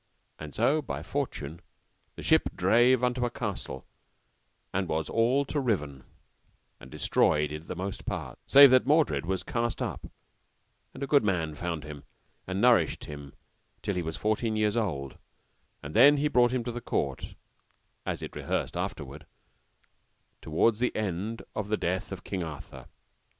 And so by fortune the ship drave unto a castle, and was all to riven, and destroyed the most part, save that Mordred was cast up, and a good man found him, and nourished him till he was fourteen year old, and then he brought him to the court, as it rehearseth afterward, toward the end of the Death of Arthur.